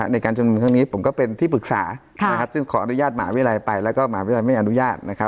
ในการจำนวนข้างนี้ผมก็เป็นที่ปรึกษาซึ่งขออนุญาตหมาวิรัยไปแล้วก็หมาวิรัยไม่อนุญาต